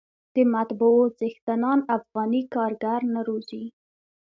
د مطبعو څښتنان افغاني کارګر نه روزي.